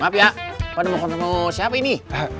maaf ya pada mau ketemu siapa ini